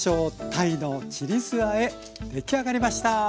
鯛のちり酢あえ出来上がりました！